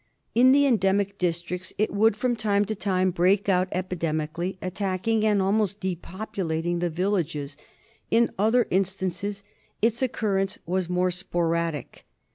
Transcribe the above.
In the endemic districts it would from time to time break out epidemically, attacking and almost depopulating the villages ; in other instances its occurrence was more sporadic.